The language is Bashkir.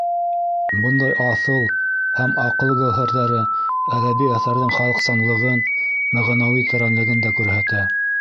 Бындай аҫыл һәм аҡыл гәүһәрҙәре әҙәби әҫәрҙең халыҡсанлығын, мәғәнәүи тәрәнлеген дә күрһәтә.